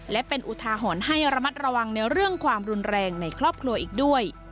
และเป็นอุทาหรณ์ให้ระมัดระวังในเรื่องความรุนแรงในครอบครัวอีกด้วย